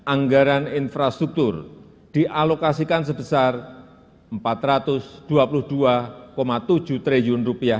anggaran infrastruktur dialokasikan sebesar rp empat ratus dua puluh dua tujuh triliun